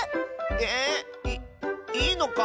えっ⁉いいいのか？